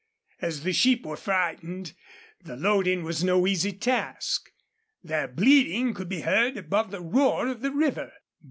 As the sheep were frightened, the loading was no easy task. Their bleating could be heard above the roar of the river.